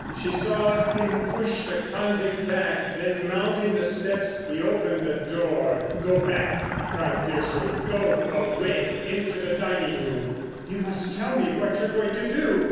She saw him push the convict back, then, mounting the steps, he opened the door. "Go back!" he cried fiercely. "Go—away—into the dining room." "You must tell me what you're going to do."